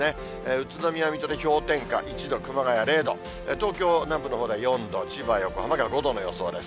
宇都宮、水戸で氷点下１度、熊谷０度、東京南部のほうでは４度、千葉、横浜が５度の予想です。